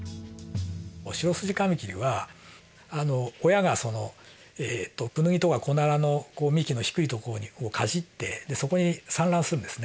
シロスジカミキリは親がクヌギとかコナラの幹の低いところにかじってそこに産卵するんですね。